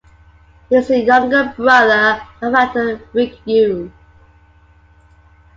He is the younger brother of actor Rick Yune.